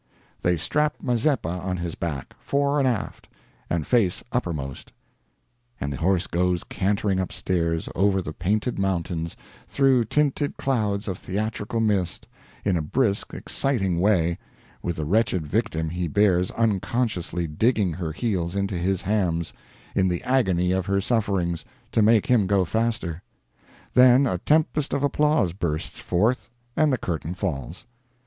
They strap Mazeppa on his back, fore and aft, and face upper most, and the horse goes cantering up stairs over the painted mountains, through tinted clouds of theatrical mist, in a brisk exciting way, with the wretched victim he bears unconsciously digging her heels into his hams, in the agony of her sufferings, to make him go faster. Then a tempest of applause bursts forth, and the curtain falls.